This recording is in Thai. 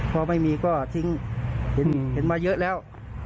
พอไม่มีก็ทิ้งเห็นมาเยอะแล้ว